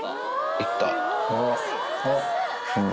行った。